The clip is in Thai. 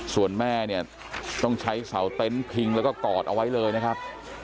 ส่วนแม่เนี่ยต้องใช้เสาเต็นต์พิงแล้วก็กอดเอาไว้เลยนะครับ